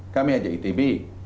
kami ajak itb